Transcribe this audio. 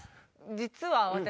実は私。